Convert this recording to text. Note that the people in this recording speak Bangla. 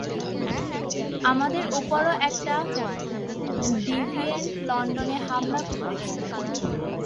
আমাদেরও উপরও একটা ডিভিয়েন্ট লন্ডনে হামলা করেছিলো।